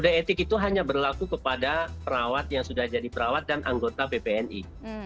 kode etik itu hanya berlaku kepada perawat yang sudah jadi perawat dan anggota bpni